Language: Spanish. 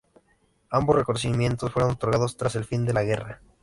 Ambos reconocimientos fueron otorgados tras el fin de la guerra.